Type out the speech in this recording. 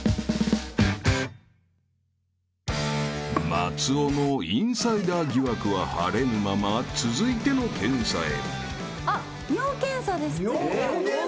［松尾のインサイダー疑惑は晴れぬまま続いての検査へ］